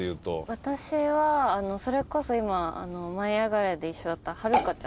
私はそれこそ今『舞いあがれ！』で一緒だった遥ちゃん。